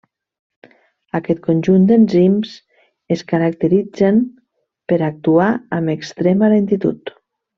Aquest conjunt d'enzims es caracteritzen per actuar amb extrema lentitud.